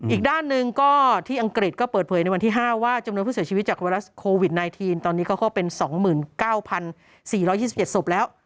อีกด้านหนึ่งก็ที่อังกฤษก็เปิดเผยในวันที่๕ว่าจำนวนผู้เสียชีวิตจากไวรัสโควิด๑๙ตอนนี้ก็เข้าเป็น๒๙๔๒๗ศพแล้ว